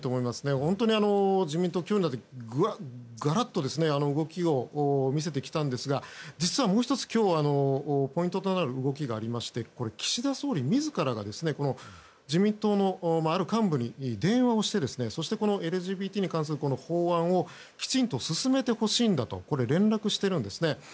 本当に自民党は、ガーっと動きを見せてきたんですが実はもう１つ、今日はポイントとなる動きがありまして岸田総理自らが自民党のある幹部に電話をしてそしてＬＧＢＴに関するこの法案をきちんと進めてほしいんだと連絡しているんですね。